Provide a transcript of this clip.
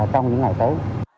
trong những ngày tới